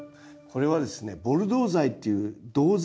これはですねボルドー剤っていう銅剤。